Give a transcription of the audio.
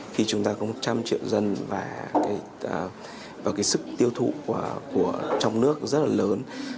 khi chúng ta có một trăm linh triệu dân và cái sức tiêu thụ trong nước rất là lớn